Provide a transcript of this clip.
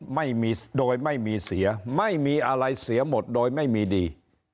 ไม่มีโดยไม่มีเสียไม่มีอะไรเสียหมดโดยไม่มีดี